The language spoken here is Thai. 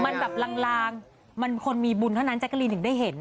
มันแบบลางมันคนมีบุญเท่านั้นแจ๊กกะลีนถึงได้เห็น